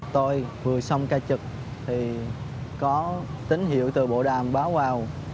tôi vừa xong ca trực thì có tín hiệu từ bộ đàm báo vào